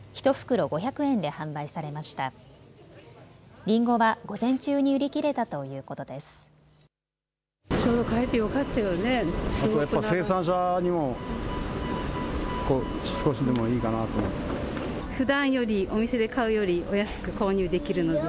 りんごは午前中に売り切れたということです。